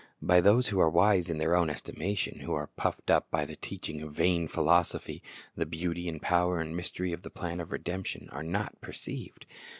By those who are wise in their own estimation, who are puffed up by the teaching of vain philosophy, the beauty and power and mystery of the plan of redemption are not perceived.